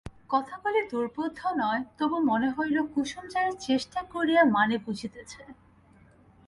কথাগুলি দুর্বোধ্য নয়, তবু মনে হইল কুসুম যেন চেষ্টা করিয়া মানে বুঝিতেছে।